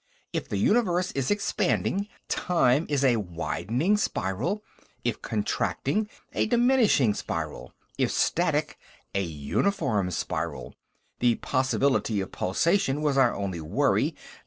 "If the universe is expanding, time is a widening spiral; if contracting, a diminishing spiral; if static, a uniform spiral. The possibility of pulsation was our only worry...."